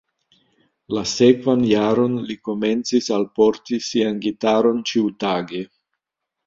La sekvan jaron, li komencis alporti sian gitaron ĉiutage.